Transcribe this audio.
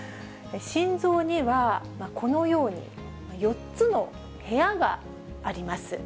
心臓には、このように４つの部屋があります。